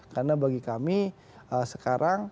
karena bagi kami sekarang